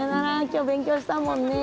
今日勉強したもんね。